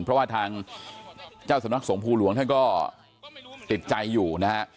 เพราะว่าทางเจ้าสำนักสงภูหลวงท่านก็ติดใจอยู่นะฮะ